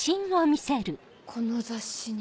この雑誌に。